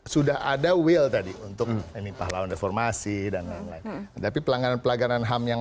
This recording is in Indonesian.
sudah ada will tadi untuk ini pahlawan reformasi dan lain lain tapi pelanggaran pelanggaran ham yang